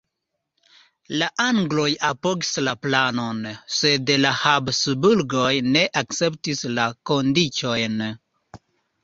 La angloj apogis la planon, sed la Habsburgoj ne akceptis la kondiĉojn.